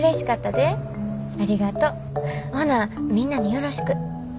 ほなみんなによろしく。